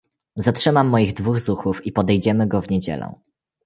"zatrzymam moich dwóch zuchów i podejdziemy go w niedzielę."